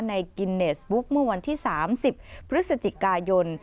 กินเนสบุ๊กเมื่อวันที่๓๐พฤศจิกายน